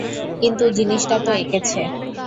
কিন্তু জিনিসটা তো এঁকেছে।